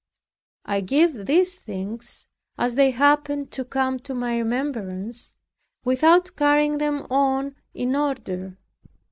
I give these things, as they happen to come to my remembrance, without carrying them on in order.